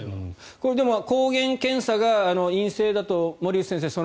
でも、抗原検査が陰性だと森内先生